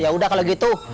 ya udah kalau gitu